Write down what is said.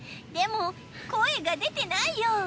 でも声が出てないよ。